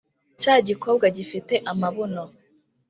cya gikobwa gifite amabuno